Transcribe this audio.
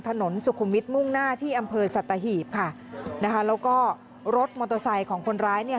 ถนนสุขุมวิทย์มุ่งหน้าที่อำเภอสัตหีบค่ะนะคะแล้วก็รถมอเตอร์ไซค์ของคนร้ายเนี่ย